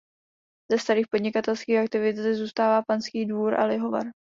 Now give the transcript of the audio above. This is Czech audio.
Ze starých podnikatelských aktivit zde zůstává panský dvůr a lihovar.